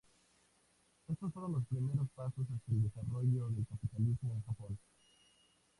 Estos fueron los primeros pasos hacia el desarrollo del capitalismo en Japón.